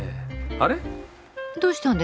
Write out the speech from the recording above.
あれ？